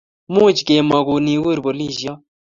Much kemagun I kur polishiot